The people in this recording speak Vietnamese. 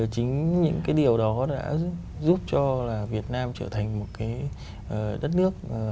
chính những cái điều đó đã giúp cho việt nam trở thành một cái đất nước